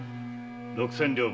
六千両分